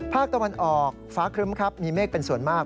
ภาคตะวันออกฟ้าครึ้มครับมีเมฆเป็นส่วนมาก